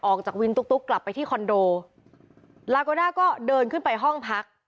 ออกจากวินตุ๊กตุ๊กกลับไปที่คอนโดลาโกด้าก็เดินขึ้นไปห้องพัก